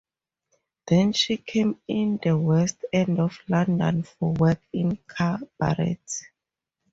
Then she came in the West End of London for work in cabaret.